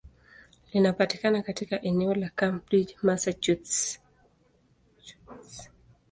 Linapatikana katika eneo la Cambridge, Massachusetts.